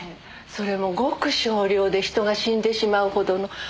それもごく少量で人が死んでしまう程の猛毒。